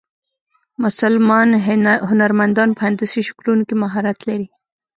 مسلمان هنرمندان په هندسي شکلونو کې مهارت لري.